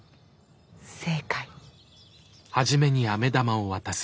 正解。